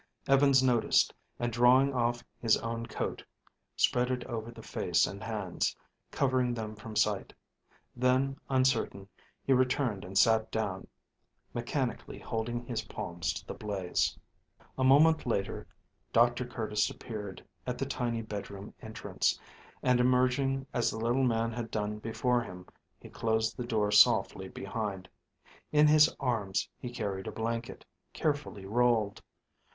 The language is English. Evans noticed, and drawing off his own coat spread it over the face and hands, covering them from sight; then, uncertain, he returned and sat down, mechanically holding his palms to the blaze. A moment later Dr. Curtis appeared at the tiny bedroom entrance; and, emerging as the little man had done before him, he closed the door softly behind. In his arms he carried a blanket, carefully rolled.